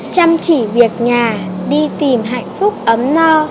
chăm chỉ việc nhà đi tìm hạnh phúc ấm no